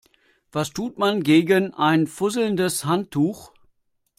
Was tut man gegen ein fusselndes Handtuch?